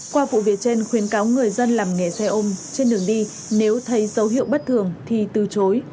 qua vụ việc trên khuyến cáo người dân làm nghề xe ôm trên đường đi nếu thấy dấu hiệu bất thường thì từ chối